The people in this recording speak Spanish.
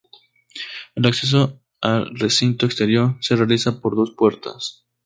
El acceso al recinto exterior se realiza por dos puertas.